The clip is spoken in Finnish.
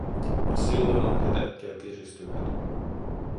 Silloin ohjat äkkiä kiristyvät.